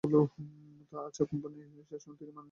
তা আছে– কোম্পানির শাসন তিনি মানেন না, আমি তার প্রমাণ পেয়েছি।